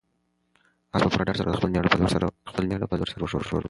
آس په پوره ډاډ سره د خپل مېړه په لور سر وښوراوه.